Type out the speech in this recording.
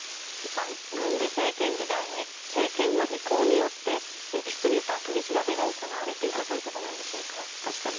李さん、軍事政権時代に政権の意向によって行き過ぎた取り調べが行われていたということでしょうか。